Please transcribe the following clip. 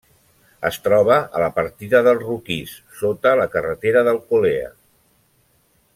Es troba a la Partida del Roquís, sota la carretera d'Alcolea.